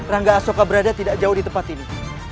rangga asoka berada tidak jauh di tempat ini